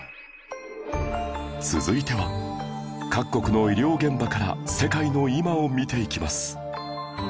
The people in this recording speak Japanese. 続いては各国の医療現場から世界の今を見ていきます